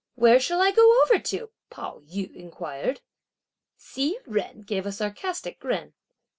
"Where shall I go over to?" Pao yü inquired. Hsi Jen gave a sarcastic grin.